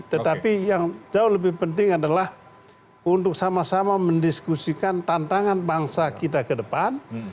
tetapi yang jauh lebih penting adalah untuk sama sama mendiskusikan tantangan bangsa kita ke depan